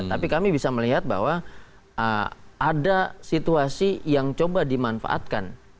tapi kami bisa melihat bahwa ada situasi yang coba dimanfaatkan